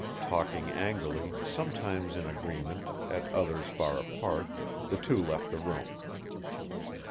Talking angrily, sometimes in agreement, at others far apart, the two left the room.